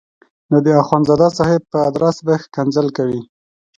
نو د اخندزاده صاحب په ادرس به ښکنځل کوي.